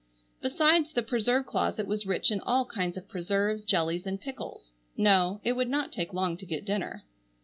Besides the preserve closet was rich in all kinds of preserves, jellies and pickles. No, it would not take long to get dinner.